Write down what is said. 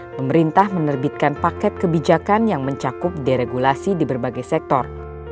pemerintah menerbitkan paket kebijakan yang mencakup deregulasi di berbagai sektor